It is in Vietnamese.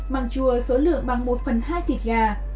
măng chua số lượng bằng một phần hai thịt gà